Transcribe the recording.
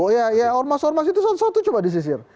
oh ya ormas ormas itu satu satu coba disisir